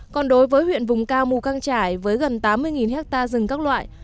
còn đối với huyện vùng cao mù căng trải với gần tám mươi hectare rừng các loại